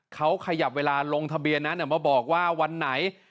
เขาขยับเวลาลงทะเบียนนั้นมาบอกว่าวันไหน